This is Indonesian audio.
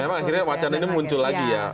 emang akhirnya wacana ini muncul lagi ya